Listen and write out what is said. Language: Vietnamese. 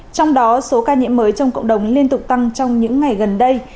trong đó số ca nhiễm mới trong cộng đồng liên tục tăng trong những ngày gần đây